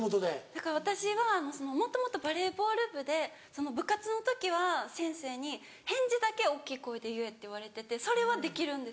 だから私はもともとバレーボール部で部活の時は先生に「返事だけ大っきい声で言え」って言われててそれはできるんです。